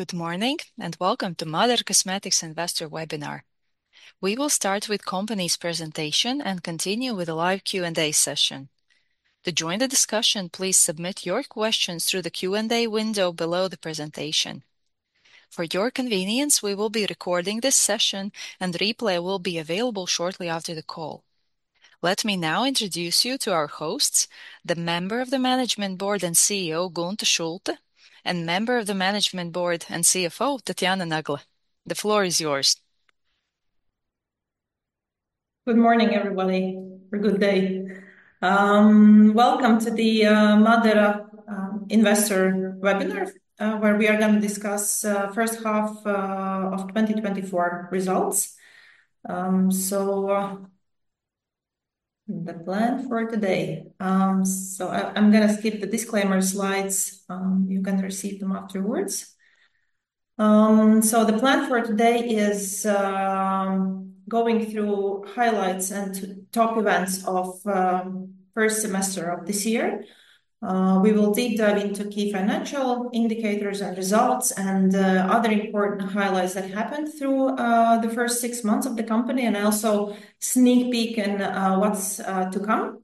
Good morning, and welcome to MÁDARA Cosmetics Investor Webinar. We will start with company's presentation and continue with a live Q&A session. To join the discussion, please submit your questions through the Q&A window below the presentation. For your convenience, we will be recording this session, and the replay will be available shortly after the call. Let me now introduce you to our hosts, the member of the management board and CEO, Gunta Šulte, and member of the management board and CFO, Tatjana Nagle. The floor is yours. Good morning, everybody, or good day. Welcome to the MÁDARA Investor Webinar, where we are going to discuss first half of 2024 results. The plan for today. I am going to skip the disclaimer slides. You can receive them afterwards. The plan for today is going through highlights and top events of first semester of this year. We will deep dive into key financial indicators and results and other important highlights that happened through the first six months of the company and also sneak peek in what is to come.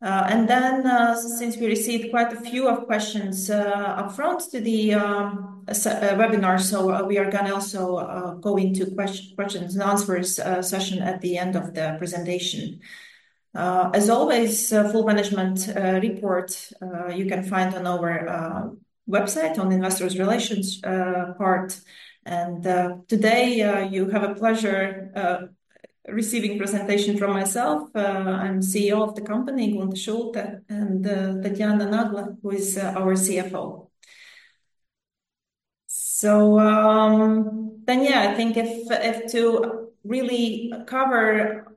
Then, since we received quite a few of questions upfront to the webinar, we are going to also go into questions and answers session at the end of the presentation. As always, full management report, you can find on our website on the investor relations part. Today, you have a pleasure receiving presentation from myself, I am CEO of the company, Gunta Šulte, and Tatjana Nagle, who is our CFO. Then yeah, I think if to really cover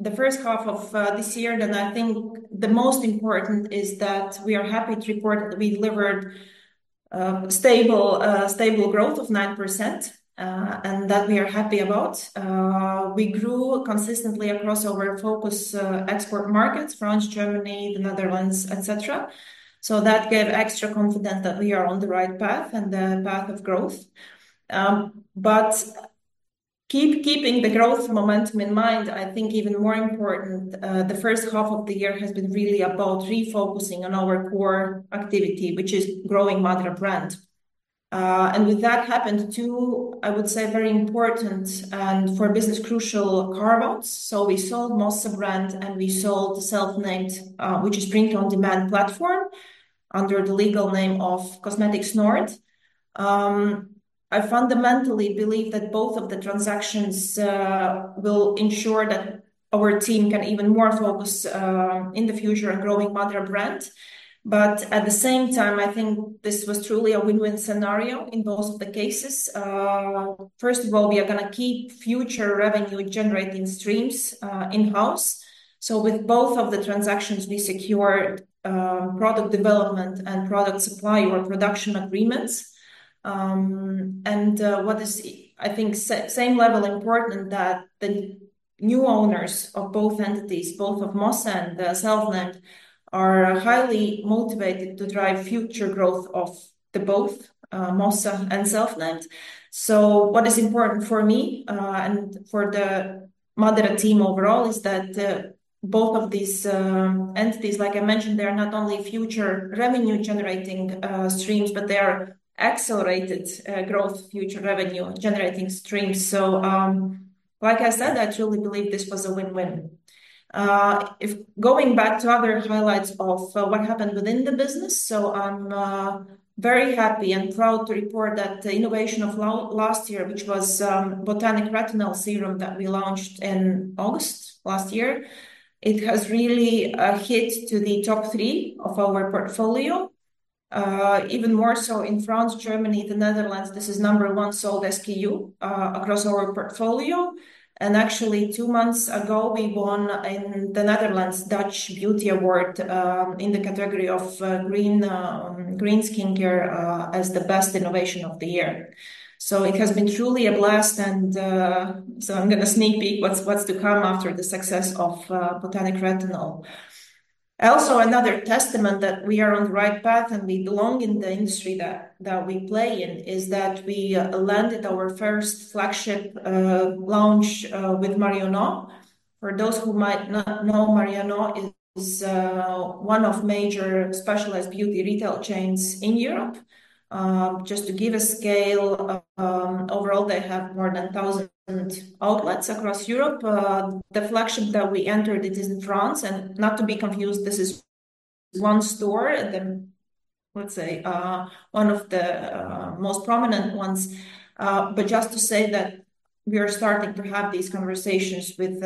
the first half of this year, then I think the most important is that we are happy to report we delivered stable growth of 9%, and that we are happy about. We grew consistently across our focus export markets, France, Germany, the Netherlands, et cetera. That gave extra confidence that we are on the right path and the path of growth. Keeping the growth momentum in mind, I think even more important, the first half of the year has been really about refocusing on our core activity, which is growing MÁDARA brand. And with that happened, two, I would say, very important and for business crucial carve-outs. We sold MOSSA brand, and we sold SELFNAMED, which is print-on-demand platform under the legal name of Cosmetics Nord. I fundamentally believe that both of the transactions will ensure that our team can even more focus, in the future, on growing MÁDARA brand. At the same time, I think this was truly a win-win scenario in both of the cases. First of all, we are going to keep future revenue-generating streams in-house. So with both of the transactions, we secured product development and product supply or production agreements. And what is, I think, same level important that the new owners of both entities, both of MOSSA and SELFNAMED, are highly motivated to drive future growth of the both MOSSA and SELFNAMED. What is important for me, and for the MÁDARA team overall is that both of these entities, like I mentioned, they are not only future revenue-generating streams, but they are accelerated growth, future revenue-generating streams. Like I said, I truly believe this was a win-win. Going back to other highlights of what happened within the business, I'm very happy and proud to report that the innovation of last year, which was Botanic Retinol Serum that we launched in August last year, it has really hit to the top three of our portfolio. Even more so in France, Germany, the Netherlands, this is number 1 sold SKU across our portfolio. And actually, two months ago, we won in the Netherlands Dutch Beauty Award, in the category of green skincare as the best innovation of the year. It has been truly a blast. I'm going to sneak peek what's to come after the success of Botanic Retinol. Also, another testament that we are on the right path and we belong in the industry that we play in, is that we landed our first flagship launch with Marionnaud. For those who might not know, Marionnaud is one of major specialized beauty retail chains in Europe. Just to give a scale, overall, they have more than 1,000 outlets across Europe. The flagship that we entered, it is in France, and not to be confused, this is one store at the, let's say, one of the most prominent ones. Just to say that we are starting to have these conversations with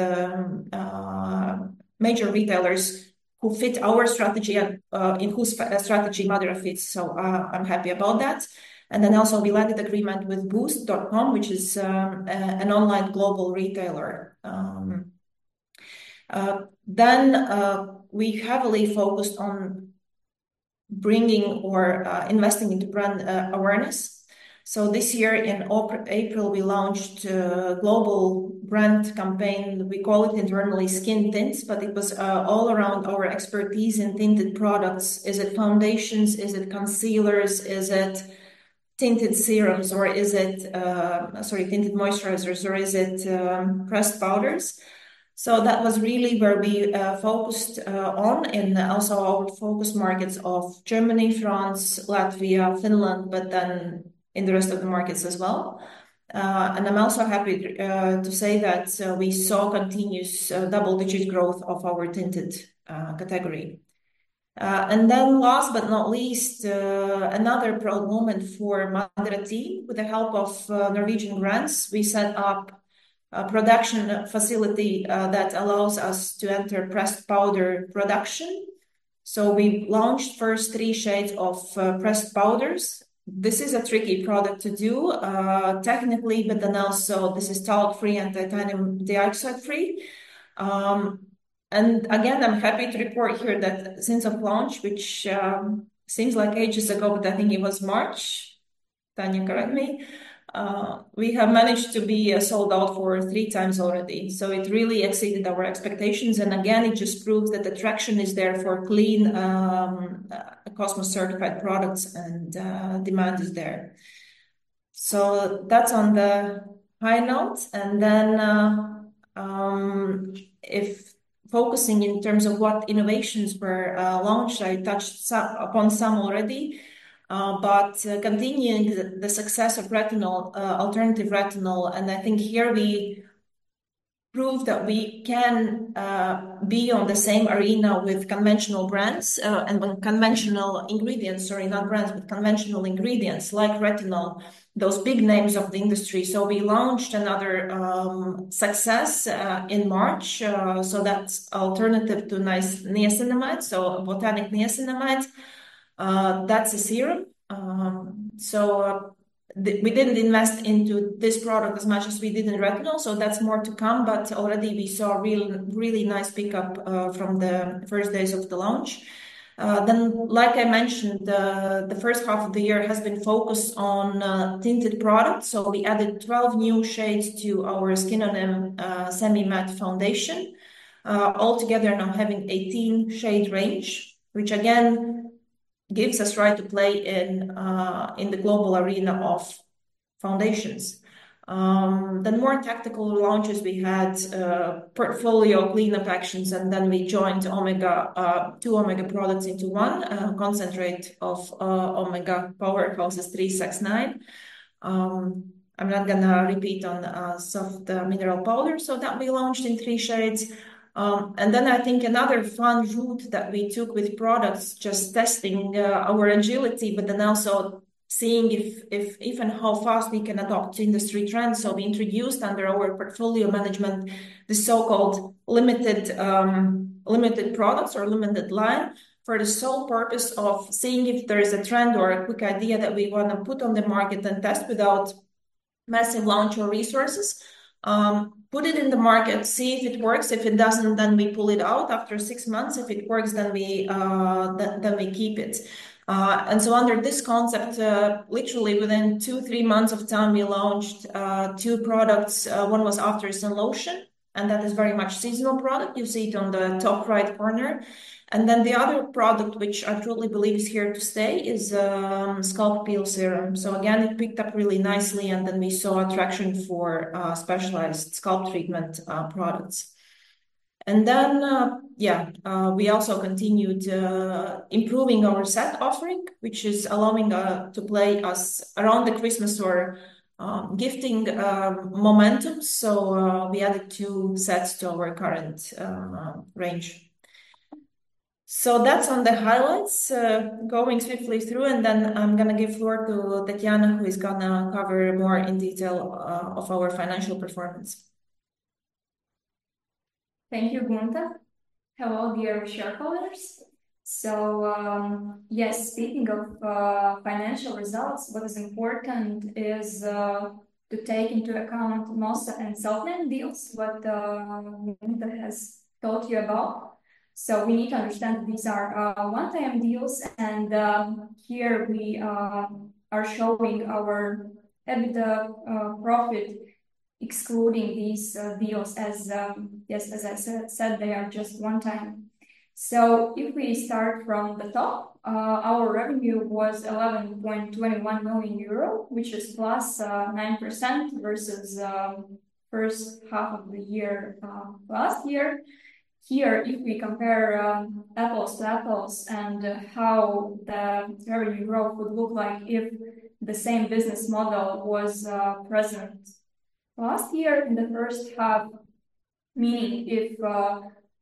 major retailers who fit our strategy and in whose strategy MÁDARA fits, I'm happy about that. Also we landed agreement with Boozt.com, which is an online global retailer. We heavily focused on bringing or investing into brand awareness. This year in April, we launched a global brand campaign. We call it internally SkinTints, but it was all around our expertise in tinted products. Is it foundations? Is it concealers? Tinted serums, or is it tinted moisturizers, or is it pressed powders? That was really where we focused on, in also our focus markets of Germany, France, Latvia, Finland, in the rest of the markets as well. I'm also happy to say that we saw continuous double-digit growth of our tinted category. Last but not least, another proud moment for MÁDARA team. With the help of Norway Grants, we set up a production facility that allows us to enter pressed powder production. We launched first 3 shades of pressed powders. This is a tricky product to do technically, also this is talc-free and titanium dioxide-free. Again, I'm happy to report here that since of launch, which seems like ages ago, but I think it was March, Tatjana, correct me, we have managed to be sold out for three times already. It really exceeded our expectations, and again, it just proves that the traction is there for clean, COSMOS-certified products and demand is there. That's on the high notes. If focusing in terms of what innovations were launched, I touched upon some already. Continuing the success of retinal, alternative retinal, and I think here we prove that we can be on the same arena with conventional brands and with conventional ingredients. Sorry, not brands, but conventional ingredients like retinal, those big names of the industry. We launched another success in March, that's alternative to niacinamide, botanic niacinamide. That's a serum. We didn't invest into this product as much as we did in retinal, that's more to come, but already we saw a really nice pickup from the first days of the launch. Like I mentioned, the first half of the year has been focused on tinted products. We added 12 new shades to our SKINONYM semi-matte foundation, altogether now having 18 shade range, which again gives us right to play in the global arena of foundations. More tactical launches, we had a portfolio cleanup actions, we joined two omega products into one concentrate of omega power, it houses 3, 6, 9. I'm not going to repeat on soft mineral powder, that we launched in three shades. I think another fun route that we took with products, just testing our agility, also seeing if and how fast we can adopt industry trends. We introduced under our portfolio management, the so-called limited products or limited line for the sole purpose of seeing if there is a trend or a quick idea that we want to put on the market and test without massive launch or resources. Put it in the market, see if it works. If it doesn't, we pull it out after six months. If it works, we keep it. Under this concept, literally within two, three months of time, we launched two products. One was After Sun Lotion, and that is very much seasonal product. You see it on the top right corner. The other product, which I truly believe is here to stay, is Scalp Peel Serum. Again, it picked up really nicely, we saw a traction for specialized scalp treatment products. We also continued improving our set offering, which is allowing to play us around the Christmas or gifting momentum. We added two sets to our current range. That's on the highlights, going swiftly through, I'm going to give floor to Tatjana, who is going to cover more in detail of our financial performance. Thank you, Gunta. Hello, dear shareholders. Yes, speaking of financial results, what is important is to take into account MOSSA and SELFNAMED deals, what Gunta has told you about. We need to understand these are one-time deals, and here we are showing our EBITDA profit, excluding these deals as I said, they are just one time. If we start from the top, our revenue was 11.21 million euro, which is +9% versus first half of the year last year. Here, if we compare apples to apples and how the very growth would look like if the same business model was present. Last year, in the first half, meaning if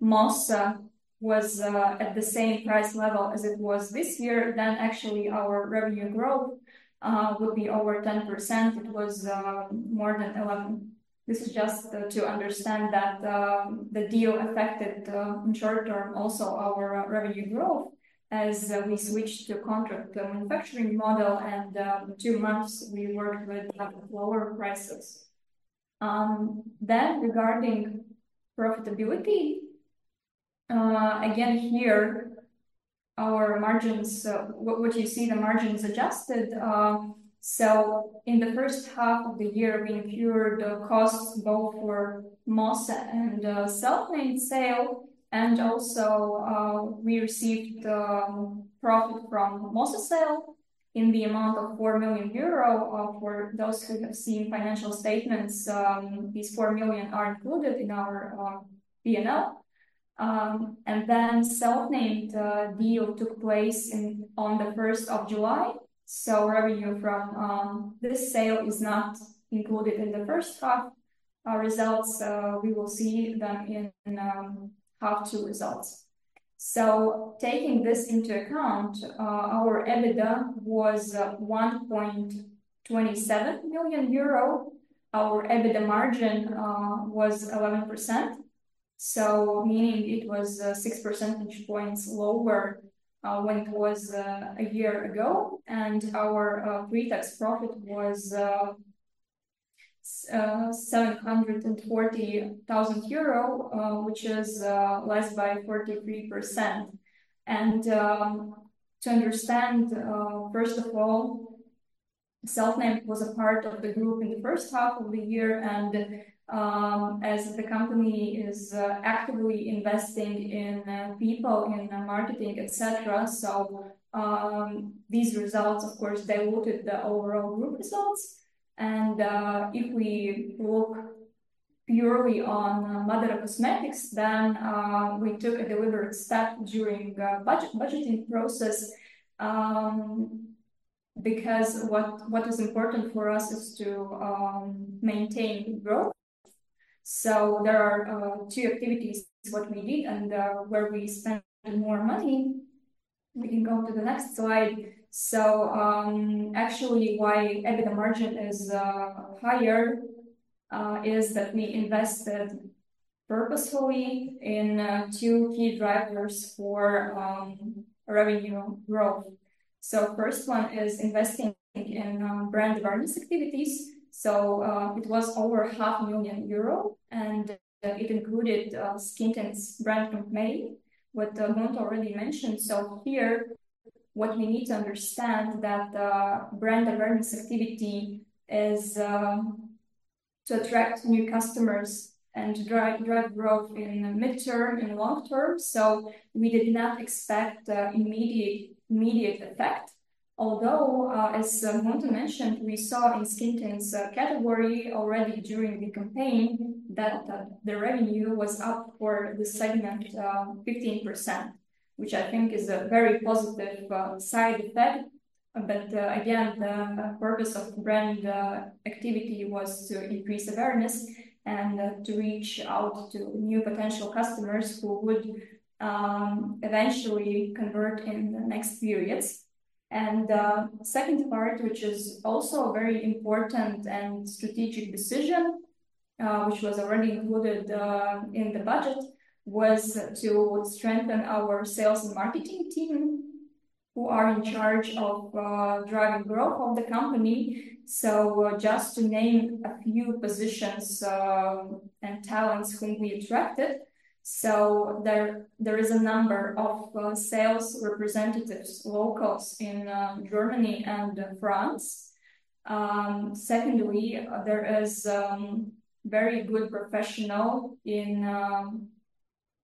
MOSSA was at the same price level as it was this year, actually our revenue growth will be over 10%. It was more than 11%. This is just to understand that the deal affected, in short term, also our revenue growth as we switched to contract manufacturing model, and 2 months we worked with lower prices. Regarding profitability, again, here, our margins, what you see the margins adjusted. In the first half of the year, we incurred the costs both for MOSSA and SELFNAMED sale, and also we received profit from MOSSA sale. In the amount of 4 million euro, or for those who have seen financial statements, these 4 million are included in our P&L. The SELFNAMED deal took place on the 1st of July. Wherever you're from, this sale is not included in the first half results. We will see them in half two results. Taking this into account, our EBITDA was 1.27 million euro. Our EBITDA margin was 11%, meaning it was 6 percentage points lower when it was a year ago. Our pre-tax profit was 740,000 euro, which is less by 43%. To understand, first of all, SELFNAMED was a part of the group in the first half of the year, and as the company is actively investing in people, in marketing, et cetera, these results, of course, diluted the overall group results. If we look purely on MÁDARA Cosmetics, we took a deliberate step during budgeting process, because what is important for us is to maintain growth. There are 2 activities which we did, and where we spent more money. We can go to the next slide. Actually, why EBITDA margin is higher, is that we invested purposefully in 2 key drivers for revenue growth. First one is investing in brand awareness activities. It was over half million EUR, and it included SkinTints brand from May, what Monté already mentioned. Here, what we need to understand that brand awareness activity is to attract new customers and drive growth in the midterm and long term. We did not expect immediate effect, although, as Monté mentioned, we saw in SkinTints category already during the campaign that the revenue was up for the segment 15%, which I think is a very positive side effect. Again, the purpose of brand activity was to increase awareness and to reach out to new potential customers who would eventually convert in the next periods. Second part, which is also a very important and strategic decision, which was already included in the budget, was to strengthen our sales and marketing team who are in charge of driving growth of the company. Just to name a few positions and talents whom we attracted. There is a number of sales representatives, locals in Germany and France. Secondly, there is very good professional in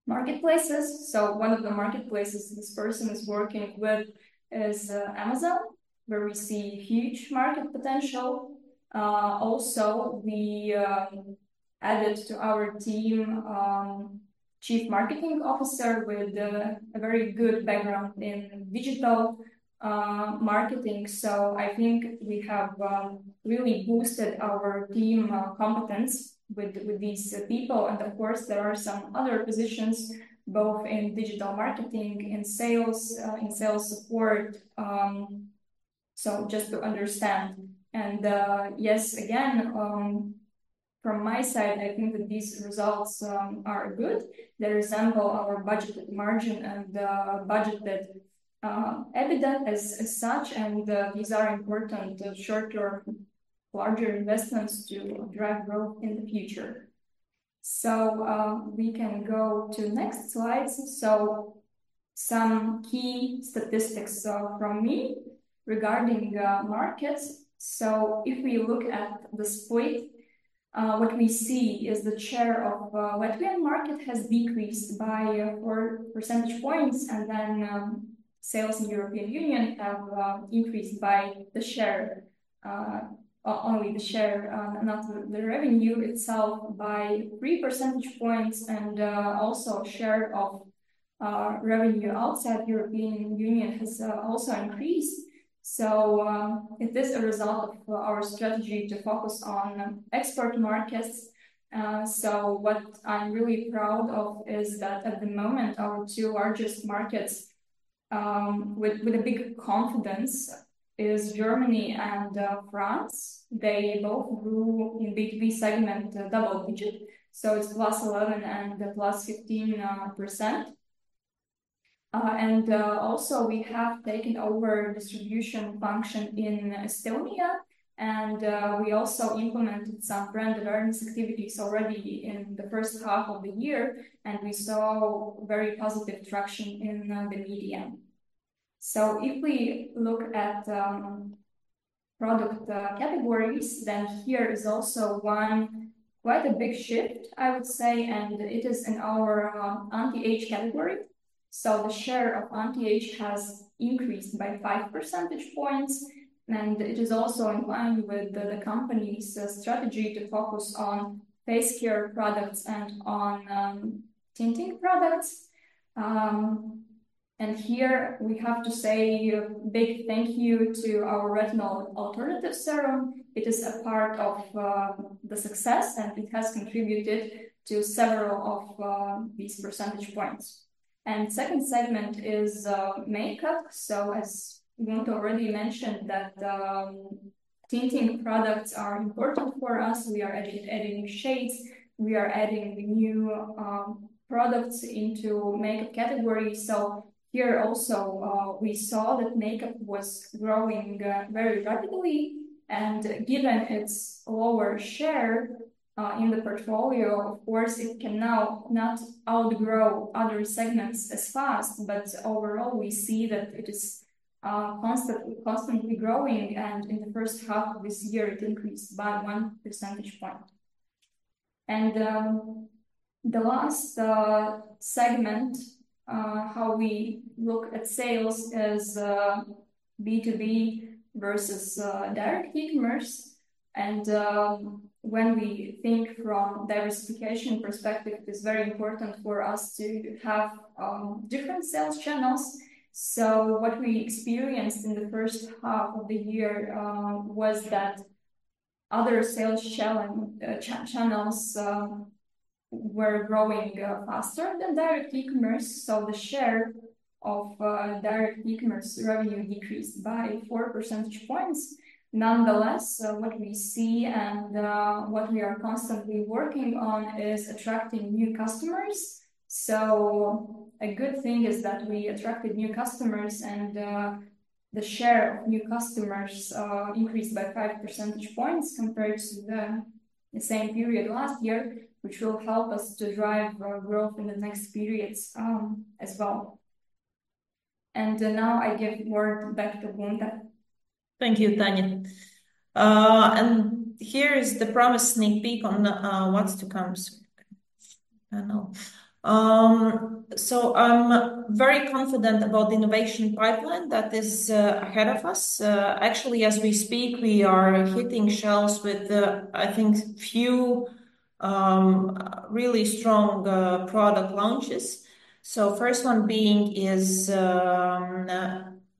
marketplaces. One of the marketplaces this person is working with is Amazon, where we see huge market potential. Also, we added to our team, Chief Marketing Officer with a very good background in digital marketing. I think we have really boosted our team competence with these people. Of course, there are some other positions, both in digital marketing, in sales, in sales support, just to understand. Yes, again, from my side, I think that these results are good. They resemble our budgeted margin and budgeted EBITDA as such, and these are important shorter, larger investments to drive growth in the future. We can go to the next slide. Some key statistics from me regarding markets. If we look at the split, what we see is the share of wetware market has decreased by four percentage points, sales in European Union have increased by the share, only the share, not the revenue itself, by three percentage points. Also share of revenue outside European Union has also increased. It is a result of our strategy to focus on export markets. What I'm really proud of is that at the moment, our two largest markets, with a big confidence, is Germany and France. They both grew in B2B segment double digit. It's +11% and +15%. Also we have taken over distribution function in Estonia, and we also implemented some brand awareness activities already in the first half of the year. We saw very positive traction in the medium. If we look at Product categories, here is also one quite a big shift, I would say, and it is in our anti-age category. The share of anti-age has increased by five percentage points, and it is also in line with the company's strategy to focus on face care products and on tinting products. Here we have to say a big thank you to our Retinol Alternative Serum. It is a part of the success, and it has contributed to several of these percentage points. Second segment is makeup. As Gunta already mentioned, that tinting products are important for us. We are adding new shades. We are adding new products into makeup category. Here also, we saw that makeup was growing very rapidly, and given its lower share in the portfolio, of course, it can now not outgrow other segments as fast. Overall, we see that it is constantly growing, and in the first half of this year, it increased by one percentage point. The last segment, how we look at sales as B2B versus direct e-commerce. When we think from diversification perspective, it is very important for us to have different sales channels. What we experienced in the first half of the year was that other sales channels were growing faster than direct e-commerce. The share of direct e-commerce revenue decreased by four percentage points. Nonetheless, what we see and what we are constantly working on is attracting new customers. A good thing is that we attracted new customers, and the share of new customers increased by five percentage points compared to the same period last year, which will help us to drive our growth in the next periods as well. Now I give the floor back to Gunta. Thank you, Tatjana. Here is the promised sneak peek on what's to come soon. I know. I'm very confident about the innovation pipeline that is ahead of us. Actually, as we speak, we are hitting shelves with, I think, few really strong product launches. First one being,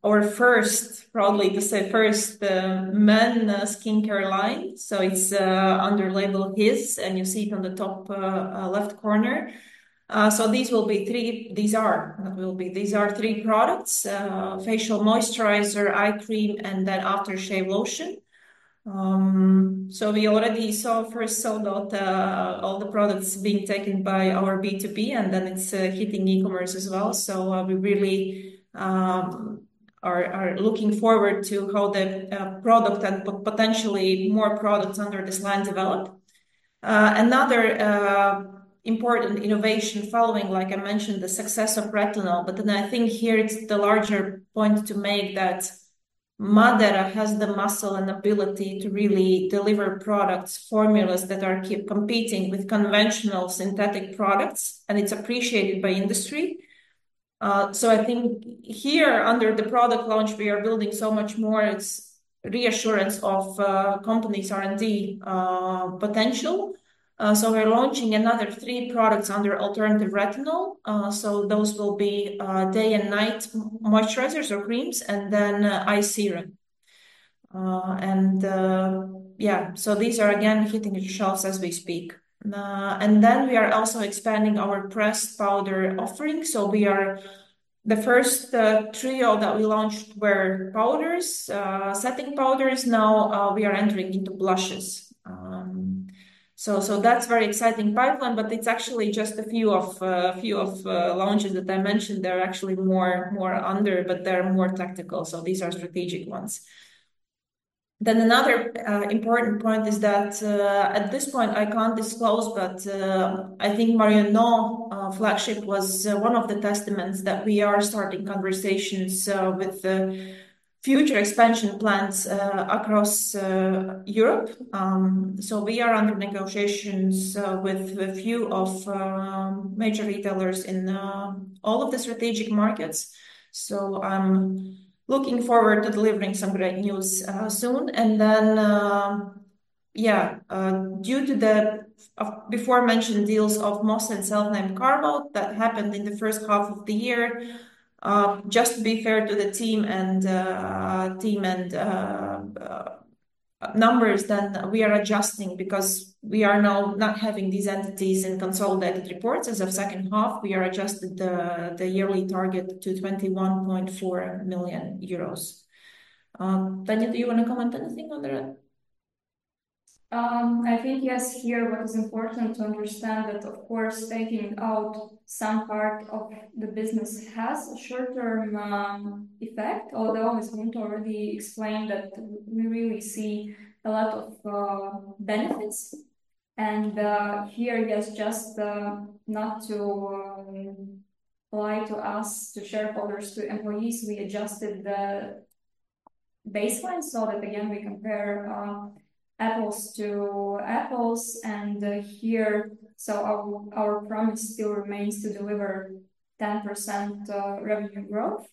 or first, probably to say first men skincare line. It's under label HIS, and you see it on the top left corner. These are three products, facial moisturizer, eye cream, and aftershave lotion. We already saw first sold out all the products being taken by our B2B, and it's hitting e-commerce as well. We really are looking forward to how the product and potentially more products under this line develop. Another important innovation following, like I mentioned, the success of retinol. I think here it's the larger point to make that MÁDARA has the muscle and ability to really deliver products, formulas that are competing with conventional synthetic products, and it's appreciated by industry. I think here under the product launch, we are building so much more. It's reassurance of company's R&D potential. We're launching another three products under alternative retinol. Those will be day and night moisturizers or creams, and eye serum. Yeah, these are again hitting shelves as we speak. We are also expanding our pressed powder offering. The first trio that we launched were powders, setting powders. Now we are entering into blushes. That's very exciting pipeline, but it's actually just a few of launches that I mentioned. There are actually more under. They're more tactical. These are strategic ones. Another important point is that at this point, I can't disclose, but I think Marionnaud flagship was one of the testaments that we are starting conversations with future expansion plans across Europe. We are under negotiations with a few of major retailers in all of the strategic markets. I'm looking forward to delivering some great news soon. Due to the aforementioned deals of MOSSA and SELFNAMED carve-out that happened in the first half of the year, just to be fair to the team and numbers, we are adjusting because we are now not having these entities in consolidated reports as of second half. We are adjusting the yearly target to 21.4 million euros. Tatjana, do you want to comment anything on that? I think, yes, here what is important to understand that, of course, taking out some part of the business has a short-term effect, although as Gunta already explained that we really see a lot of benefits- Here, just not to lie to us, to shareholders, to employees, we adjusted the baseline so that, again, we compare apples to apples. Here, our promise still remains to deliver 10% revenue growth,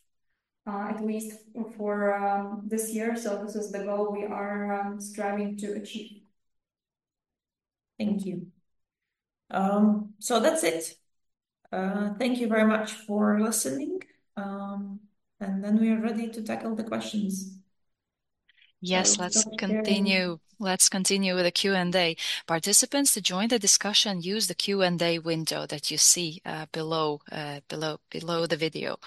at least for this year. This is the goal we are striving to achieve. Thank you. That's it. Thank you very much for listening. We are ready to tackle the questions. Yes, let's continue with the Q&A. Participants, to join the discussion, use the Q&A window that you see below the video.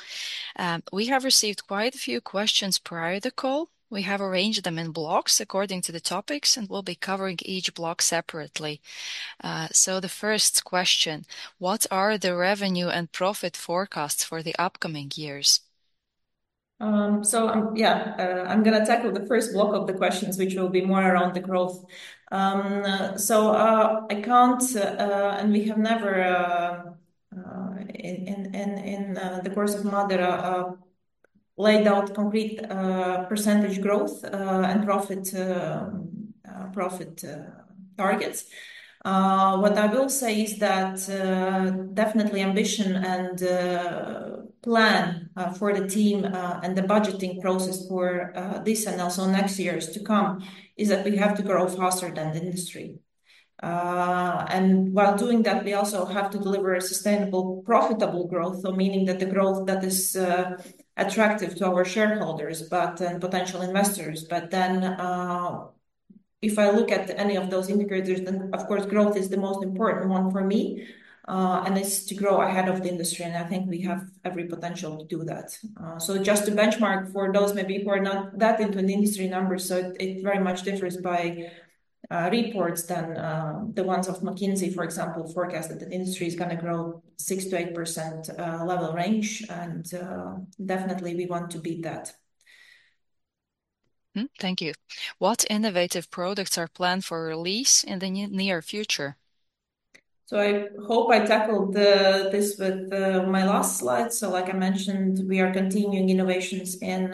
We have received quite a few questions prior to the call. We have arranged them in blocks according to the topics, and we'll be covering each block separately. The first question, what are the revenue and profit forecasts for the upcoming years? I'm going to tackle the first block of the questions, which will be more around the growth. I can't, and we have never, in the course of MÁDARA, laid out complete percentage growth, and profit targets. What I will say is that definitely ambition and plan for the team, and the budgeting process for this, and also next years to come, is that we have to grow faster than the industry. While doing that, we also have to deliver a sustainable, profitable growth, meaning that the growth that is attractive to our shareholders, but potential investors. If I look at any of those indicators, then, of course, growth is the most important one for me, and it's to grow ahead of the industry, and I think we have every potential to do that. Just to benchmark for those maybe who are not that into the industry numbers, it very much differs by reports than the ones of McKinsey, for example, forecasted that industry is going to grow 6%-8% level range, definitely we want to beat that. Thank you. What innovative products are planned for release in the near future? I hope I tackled this with my last slide. Like I mentioned, we are continuing innovations in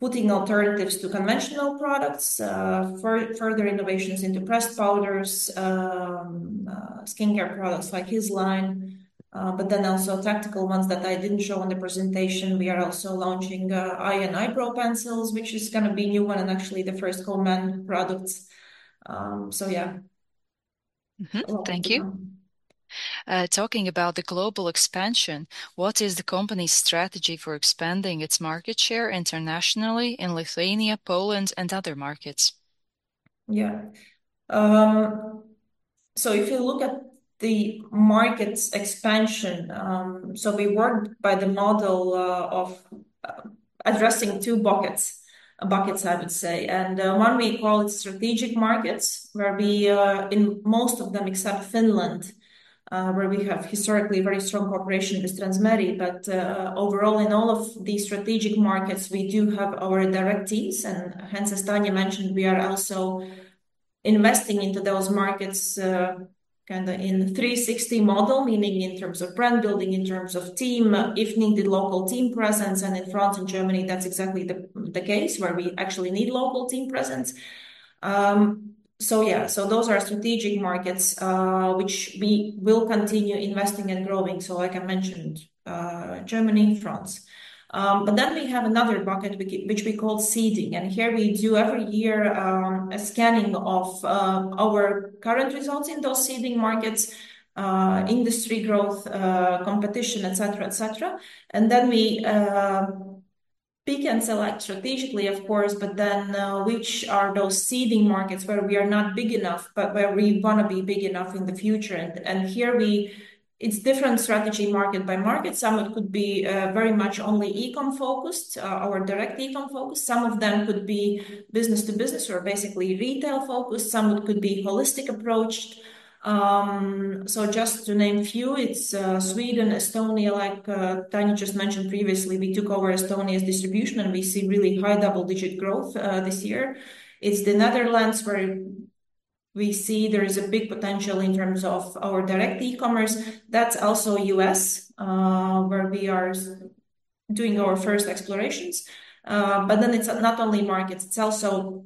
putting alternatives to conventional products, further innovations into pressed powders, skincare products like HIS Line, also tactical ones that I didn't show in the presentation. We are also launching eye and eyebrow pencils, which is going to be new one and actually the first whole man products. Thank you. Talking about the global expansion, what is the company's strategy for expanding its market share internationally in Lithuania, Poland, and other markets? Yeah. If you look at the market's expansion, we work by the model of addressing two buckets, I would say. One we call it strategic markets, where we are in most of them except Finland, where we have historically very strong cooperation with Transmeri. Overall, in all of these strategic markets, we do have our direct teams, and hence, as Tanya mentioned, we are also investing into those markets in 360 model, meaning in terms of brand building, in terms of team, if needed, local team presence, and in France and Germany, that's exactly the case, where we actually need local team presence. Yeah. Those are strategic markets, which we will continue investing and growing. Like I mentioned, Germany, France. We have another bucket which we call seeding, and here we do every year, a scanning of our current results in those seeding markets, industry growth, competition, et cetera. We pick and select strategically, of course, which are those seeding markets where we are not big enough, but where we want to be big enough in the future. Here, it's different strategy market by market. Some of it could be very much only e-com focused, or direct e-com focused. Some of them could be business to business or basically retail-focused. Some of it could be holistic approached. Just to name a few, it's Sweden, Estonia, like Tanya just mentioned previously. We took over Estonia's distribution, and we see really high double-digit growth this year. It's the Netherlands, where we see there is a big potential in terms of our direct e-commerce. That's also U.S., where we are doing our first explorations. It's not only markets. It's also,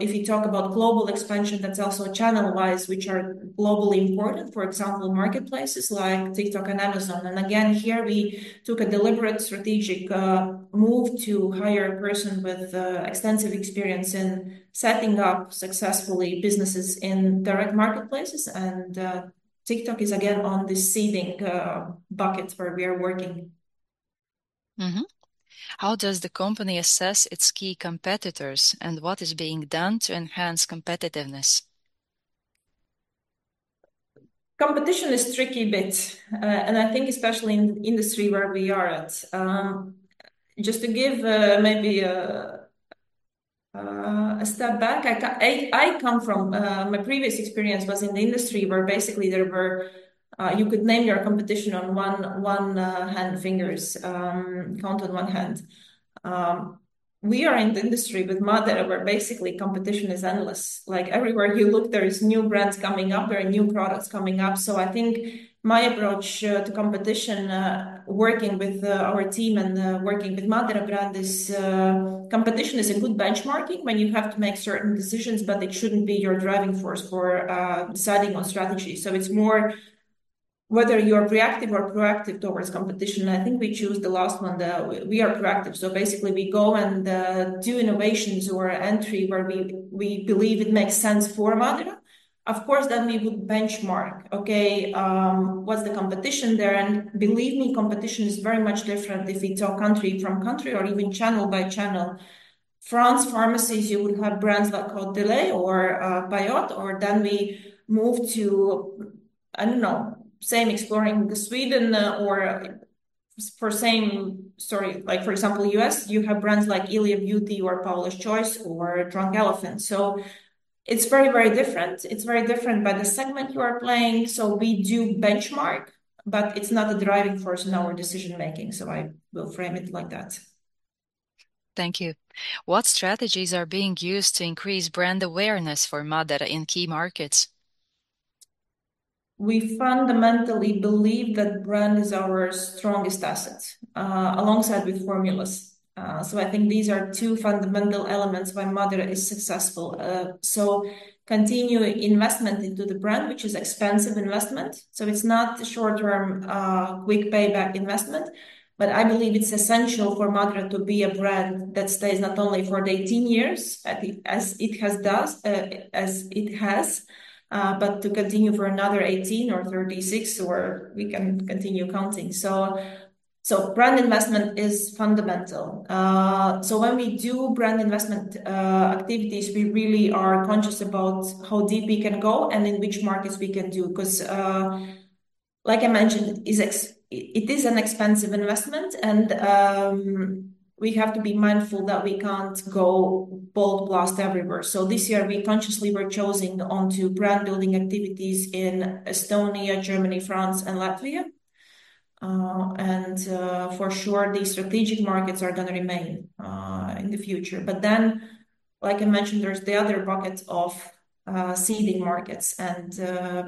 if you talk about global expansion, that's also channel-wise, which are globally important. For example, marketplaces like TikTok and Amazon. Again, here we took a deliberate strategic move to hire a person with extensive experience in setting up successfully businesses in direct marketplaces. TikTok is again on the seeding buckets where we are working. How does the company assess its key competitors, and what is being done to enhance competitiveness? Competition is tricky bit. I think especially in industry where we are at. Just to give maybe a step back. My previous experience was in the industry where basically you could name your competition on one hand, fingers, count on one hand. We are in the industry with MÁDARA, where basically competition is endless. Everywhere you look, there is new brands coming up, there are new products coming up. I think my approach to competition, working with our team and working with MÁDARA brand is, competition is a good benchmarking when you have to make certain decisions, but it shouldn't be your driving force for deciding on strategy. It's more whether you're reactive or proactive towards competition. I think we choose the last one. We are proactive, basically we go and do innovations or entry where we believe it makes sense for MÁDARA. Of course, we would benchmark. Okay, what's the competition there? Believe me, competition is very much different if it's country from country or even channel by channel. France pharmacies, you would have brands like Delai or Biott, or then we move to, I don't know, same exploring the Sweden or for same story, like for example, U.S., you have brands like ILIA Beauty or Paula's Choice or Drunk Elephant. It's very different. It's very different by the segment you are playing. We do benchmark, but it's not a driving force in our decision-making. I will frame it like that. Thank you. What strategies are being used to increase brand awareness for MÁDARA in key markets? We fundamentally believe that brand is our strongest asset, alongside with formulas. I think these are two fundamental elements why MÁDARA is successful. Continuing investment into the brand, which is expensive investment. It's not short-term, quick payback investment, but I believe it's essential for MÁDARA to be a brand that stays not only for 18 years, as it has, but to continue for another 18 or 36 or we can continue counting. Brand investment is fundamental. When we do brand investment activities, we really are conscious about how deep we can go and in which markets we can do, because, like I mentioned, it is an expensive investment and we have to be mindful that we can't go blast everywhere. This year, we consciously were chosen onto brand-building activities in Estonia, Germany, France, and Latvia. For sure these strategic markets are going to remain in the future. Like I mentioned, there's the other bucket of seeding markets and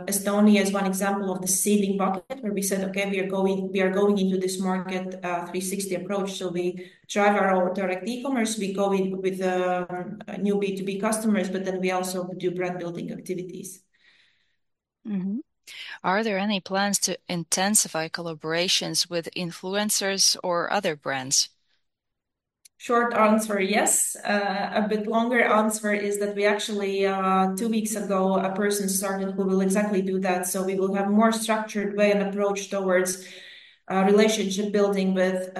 Estonia is one example of the seeding bucket where we said, "Okay, we are going into this market, 360 approach." We drive our own direct e-commerce. We go in with new B2B customers, we also do brand-building activities. Are there any plans to intensify collaborations with influencers or other brands? Short answer, yes. A bit longer answer is that we actually, two weeks ago, a person started who will exactly do that. We will have more structured way and approach towards relationship building with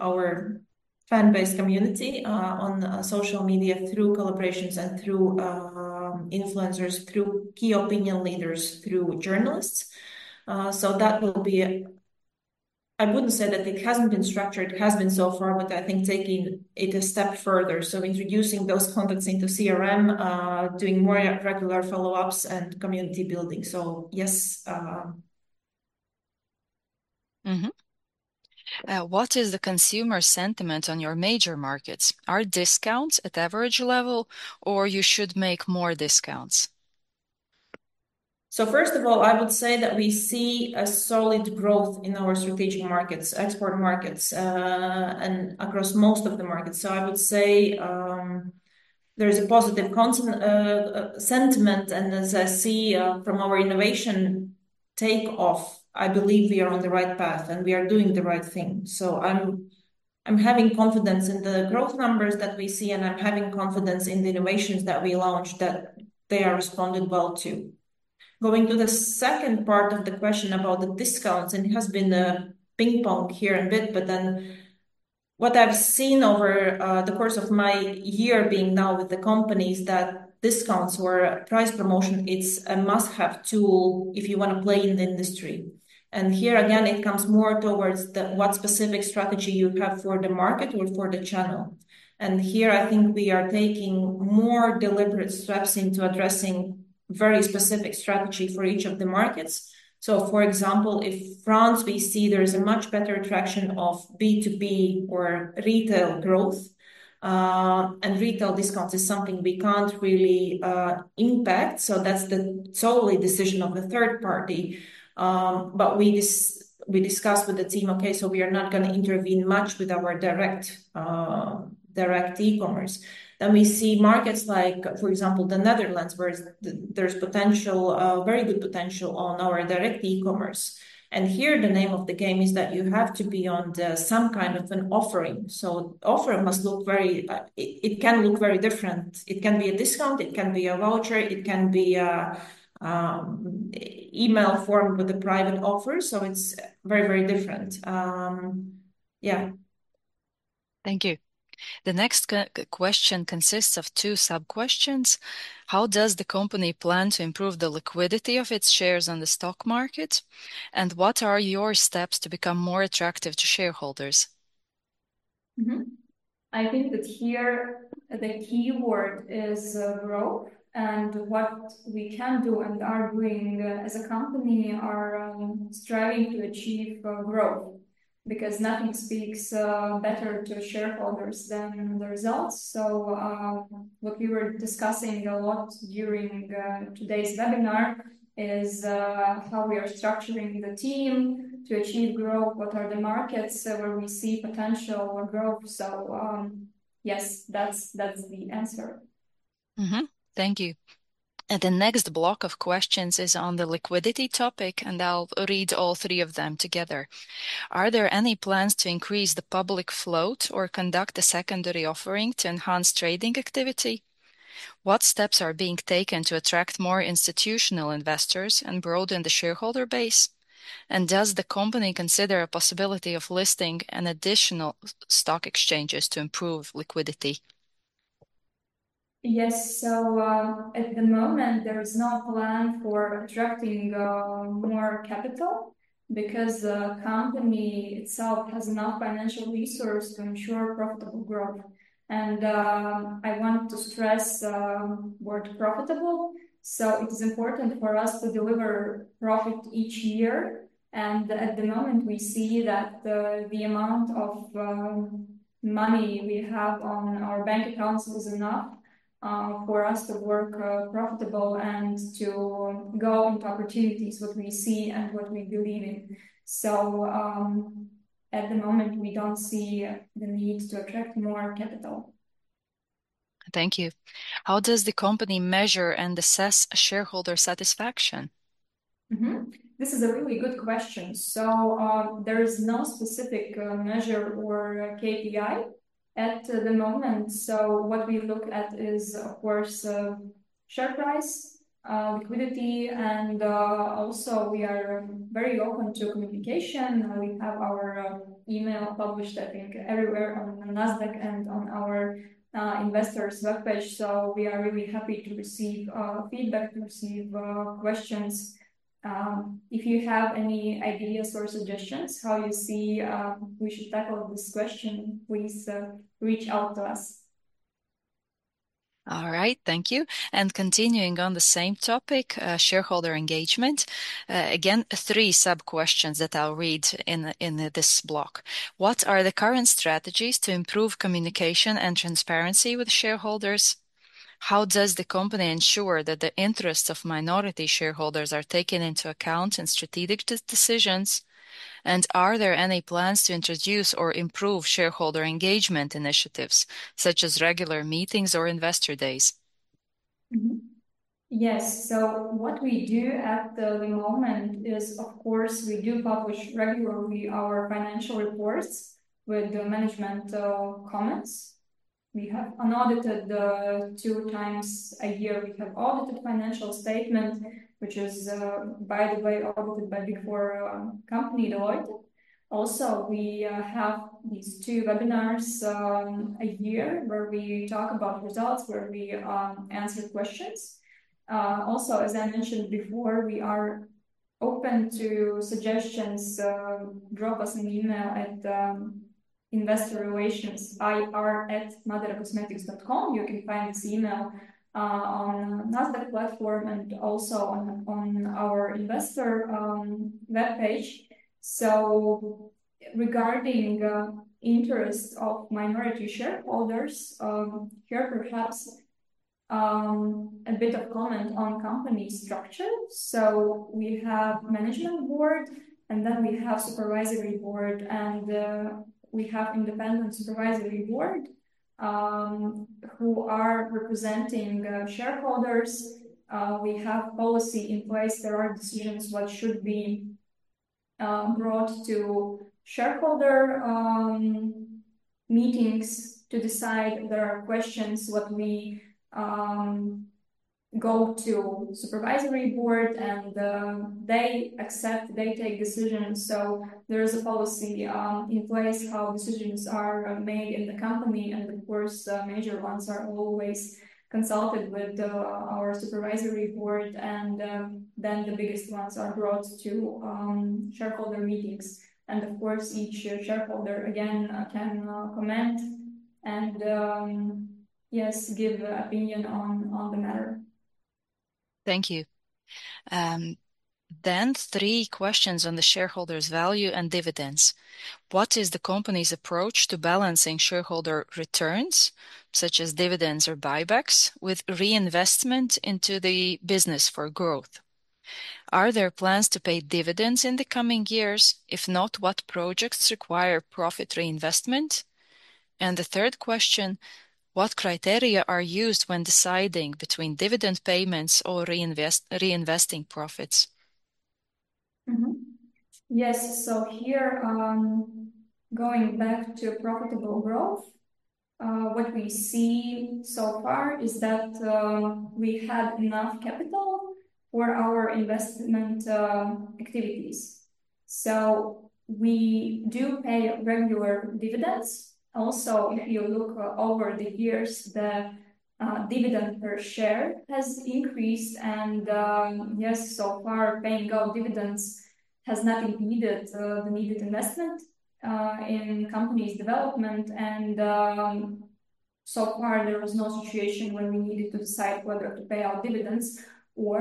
our fan base community on social media through collaborations and through influencers, through key opinion leaders, through journalists. That will be I wouldn't say that it hasn't been structured, it has been so far, but I think taking it a step further, introducing those contacts into CRM, doing more regular follow-ups and community building. Yes. What is the consumer sentiment on your major markets? Are discounts at average level or you should make more discounts? First of all, I would say that we see a solid growth in our strategic markets, export markets, and across most of the markets. I would say, there is a positive sentiment as I see from our innovation take-off, I believe we are on the right path and we are doing the right thing. I'm having confidence in the growth numbers that we see, I'm having confidence in the innovations that we launch that they are responding well to. Going to the second part of the question about the discounts, it has been ping-pong here a bit, what I've seen over the course of my year being now with the company is that discounts or price promotion, it's a must-have tool if you want to play in the industry. Here again it comes more towards what specific strategy you have for the market or for the channel. Here I think we are taking more deliberate steps into addressing very specific strategy for each of the markets. For example, if France, we see there is a much better traction of B2B or retail growth, retail discounts is something we can't really impact. That's the solely decision of the third party. We discussed with the team, okay, we are not going to intervene much with our direct e-commerce. We see markets like, for example, the Netherlands, where there's very good potential on our direct e-commerce. Here the name of the game is that you have to be on some kind of an offering. Offering must look very different. It can be a discount, it can be a voucher, it can be an email form with a private offer. It's very different. Yeah. Thank you. The next question consists of two sub-questions. How does the company plan to improve the liquidity of its shares on the stock market? What are your steps to become more attractive to shareholders? I think that here the key word is growth, and what we can do and are doing as a company are striving to achieve growth. Nothing speaks better to shareholders than the results. What we were discussing a lot during today's webinar is how we are structuring the team to achieve growth, what are the markets where we see potential or growth. Yes, that's the answer. Thank you. The next block of questions is on the liquidity topic, and I'll read all three of them together. Are there any plans to increase the public float or conduct a secondary offering to enhance trading activity? What steps are being taken to attract more institutional investors and broaden the shareholder base? Does the company consider a possibility of listing in additional stock exchanges to improve liquidity? Yes. At the moment, there is no plan for attracting more capital because the company itself has enough financial resource to ensure profitable growth. I want to stress the word profitable. It is important for us to deliver profit each year, and at the moment, we see that the amount of money we have on our bank accounts is enough for us to work profitable and to go into opportunities which we see and what we believe in. At the moment, we don't see the need to attract more capital. Thank you. How does the company measure and assess shareholder satisfaction? This is a really good question. There is no specific measure or KPI at the moment. What we look at is, of course, share price, liquidity, and also we are very open to communication. We have our email published, I think, everywhere on Nasdaq and on our investors webpage. We are really happy to receive feedback, to receive questions. If you have any ideas or suggestions how you see we should tackle this question, please reach out to us. All right. Thank you. Continuing on the same topic, shareholder engagement. Again, three sub-questions that I'll read in this block. What are the current strategies to improve communication and transparency with shareholders? How does the company ensure that the interests of minority shareholders are taken into account in strategic decisions? Are there any plans to introduce or improve shareholder engagement initiatives, such as regular meetings or investor days? Yes. What we do at the moment is, of course, we do publish regularly our financial reports with the management comments. We have unaudited two times a year. We have audited financial statement, which is, by the way, audited by Big 4 company audit. We have these two webinars a year where we talk about results, where we answer questions. As I mentioned before, we are open to suggestions. Drop us an email at ir@madaracosmetics.com. You can find this email on Nasdaq platform and also on our investor webpage. Regarding interest of minority shareholders, here perhaps a bit of comment on company structure. We have management board, and then we have supervisory board, and we have independent supervisory board who are representing shareholders. We have policy in place. There are decisions what should be brought to shareholder meetings to decide. There are questions what we go to supervisory board, and they accept, they take decisions. There is a policy in place how decisions are made in the company, of course, major ones are always consulted with our supervisory board. Then the biggest ones are brought to shareholder meetings. Of course, each shareholder, again, can comment and, yes, give an opinion on the matter. Thank you. Three questions on the shareholders' value and dividends. What is the company's approach to balancing shareholder returns, such as dividends or buybacks, with reinvestment into the business for growth? Are there plans to pay dividends in the coming years? If not, what projects require profit reinvestment? The third question: What criteria are used when deciding between dividend payments or reinvesting profits? Yes. Here, going back to profitable growth, what we see so far is that we had enough capital for our investment activities. We do pay regular dividends. Also, if you look over the years, the dividend per share has increased. Yes, so far, paying out dividends has not impeded the needed investment in company's development. So far, there was no situation where we needed to decide whether to pay out dividends or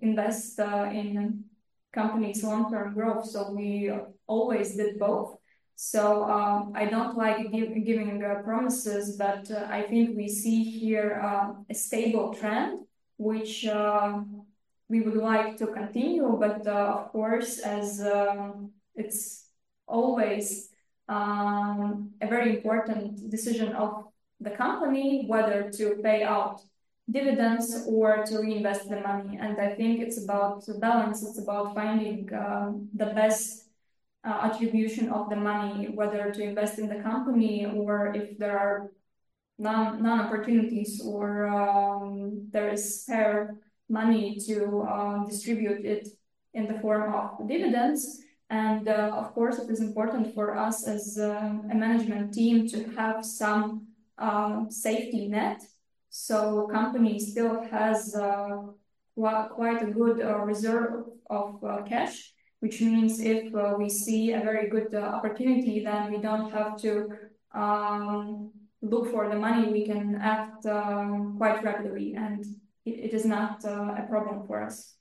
invest in the company's long-term growth. We always did both. I don't like giving promises, but I think we see here a stable trend, which we would like to continue, but of course, as it's always a very important decision of the company, whether to pay out dividends or to reinvest the money. I think it's about the balance, it's about finding the best attribution of the money, whether to invest in the company or if there are no opportunities or there is spare money to distribute it in the form of dividends. Of course, it is important for us as a management team to have some safety net. The company still has quite a good reserve of cash, which means if we see a very good opportunity, then we don't have to look for the money. We can act quite rapidly, and it is not a problem for us.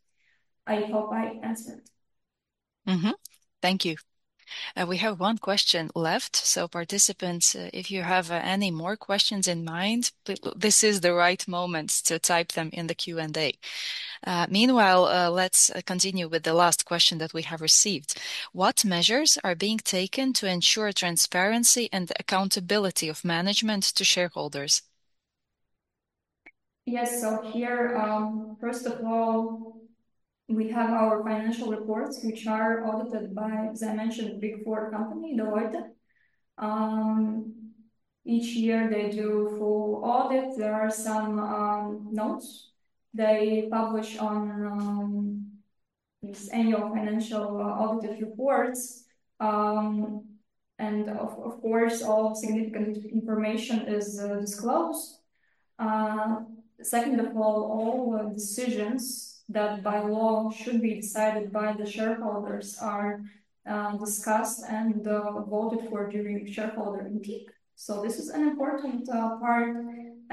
I hope I answered. Thank you. We have one question left. Participants, if you have any more questions in mind, this is the right moment to type them in the Q&A. Meanwhile, let's continue with the last question that we have received. What measures are being taken to ensure transparency and accountability of management to shareholders? Yes. Here, first of all, we have our financial reports, which are audited by, as I mentioned, Big 4 company, Deloitte. Each year they do full audit. There are some notes they publish on its annual financial audit reports. Of course, all significant information is disclosed. Second of all decisions that by law should be decided by the shareholders are discussed and voted for during shareholder meeting. This is an important part,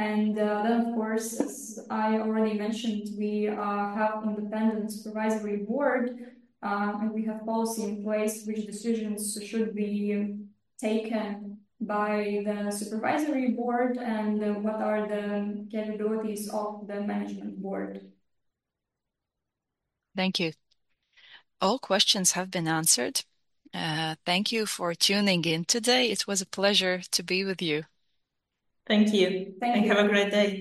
of course, as I already mentioned, we have independent supervisory board, and we have policy in place which decisions should be taken by the supervisory board and what are the capabilities of the management board. Thank you. All questions have been answered. Thank you for tuning in today. It was a pleasure to be with you. Thank you. Thank you. Have a great day.